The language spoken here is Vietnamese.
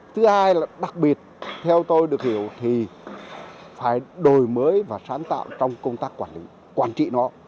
thứ hai là đặc biệt theo tôi được hiểu thì phải đổi mới và sáng tạo trong công tác quản trị nó